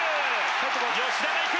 吉田がいく。